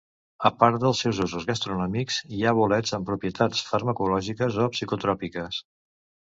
A part dels seus usos gastronòmics, hi ha bolets amb propietats farmacològiques o psicotròpiques.